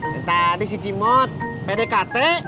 yang tadi si cimot pdkt